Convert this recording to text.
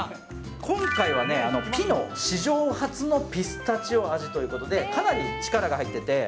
今回は、ピノ史上初のピスタチオ味ということで、かなり力が入ってて。